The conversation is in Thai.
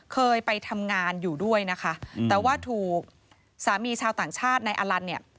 เคยไปทำงานอยู่ด้วยนะคะแต่ว่าถูกสามีชาวต่างชาตินายอลันเนี่ย